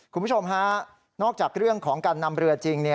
คุณผู้ชมฮะนอกจากเรื่องของการนำเรือจริง